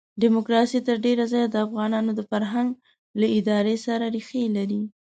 ډیموکراسي تر ډېره ځایه د افغانانو د فرهنګ له ادارې سره ریښې لري.